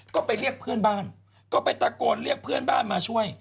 ก็ไปเรียกเพื่อนบ้านก็ไปตะโกนเรียกเพื่อนบ้านมาช่วย